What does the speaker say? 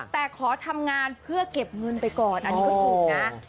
แต่ขอทำงานเพื่อเก็บเงินไปก่อนอันนี้ก็ถูกนะ